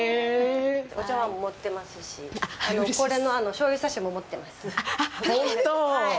お茶わんも持ってますし、これの醤油差しも持ってます。